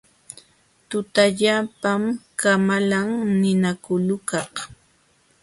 Tutallapam kamalan ninakulukaq.